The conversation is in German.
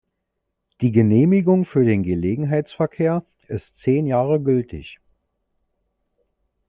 Die Genehmigung für den Gelegenheitsverkehr ist zehn Jahre gültig.